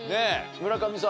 村上さんは？